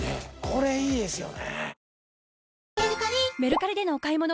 これいいですよね。